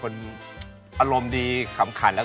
ก็จริงผมมีคนที่